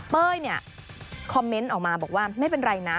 เป้ยเนี่ยคอมเมนต์ออกมาบอกว่าไม่เป็นไรนะ